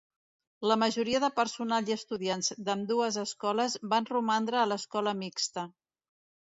La majoria de personal i estudiants d'ambdues escoles van romandre a l'escola mixta.